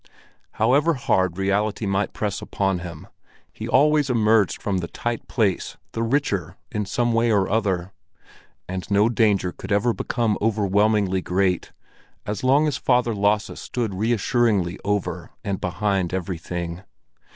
However hard reality might press upon him, he always emerged from the tight place the richer in some way or other; and no danger could ever become overwhelmingly great as long as Father Lasse stood reassuringly over and behind everything.